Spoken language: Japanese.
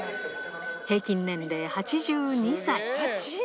平均年齢８２歳。